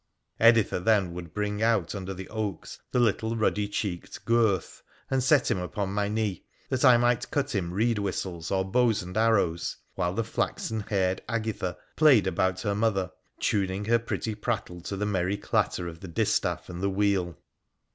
Editha then would bring out under the oaks the little ruddy cheeked Gurth, and set him upon my knee, that I might cut him reed 94 WONDERFUL ADVENTURES OF whistles or bows and arrows, while the flaxen haired Agitha played about her mother, tuning her pretty prattle to the merry clatter of the distaff and the wheel.